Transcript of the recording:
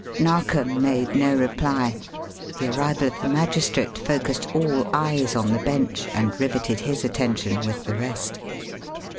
Narkom made no reply. The arrival of the magistrate focussed all eyes on the bench and riveted his attention with the rest.